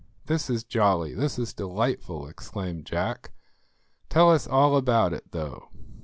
"This is jolly, this is delightful," exclaimed Jack; "tell us all about it, though."